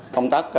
công tác cơ hội